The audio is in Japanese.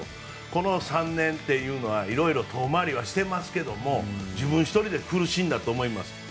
この３年というのは色々、遠回りはしていますが自分１人で苦しんだと思います。